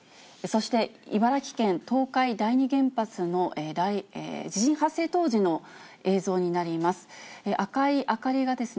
そして茨城県東海第二原発の地震発生当時の映像になります。